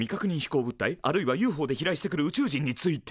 あるいはＵＦＯで飛来してくる宇宙人について？